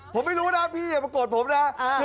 ผมไม่รู้นะพี่อย่ามาโกรธผมนะ